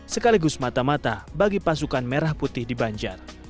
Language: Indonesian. sekaligus mata mata bagi pasukan merah putih di banjar